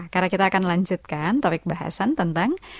karena kita akan lanjutkan topik bahasan tentang